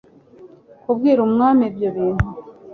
kubwira umwami ibyo bintu